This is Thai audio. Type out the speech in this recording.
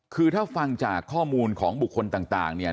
คือถ้าฟังจากข้อมูลของบุคคลต่างเนี่ย